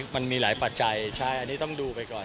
มันมีหลายปัจจัยใช่อันนี้ต้องดูไปก่อน